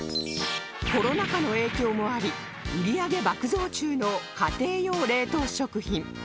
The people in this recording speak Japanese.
コロナ禍の影響もあり売り上げ爆増中の家庭用冷凍食品